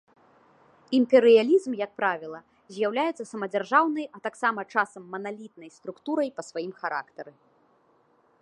Імперыялізм, як правіла, з'яўляецца самадзяржаўнай, а таксама часам маналітнай структурай па сваім характары.